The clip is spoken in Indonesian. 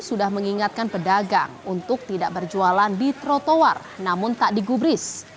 sudah mengingatkan pedagang untuk tidak berjualan di trotoar namun tak digubris